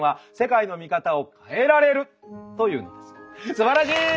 すばらしい！